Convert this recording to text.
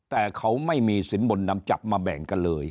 แต่เขาไม่มีสินบนนำจับมาแบ่งกันเลย